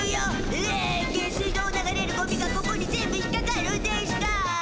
ひえ下水道を流れるゴミがここに全部引っかかるんでしゅか？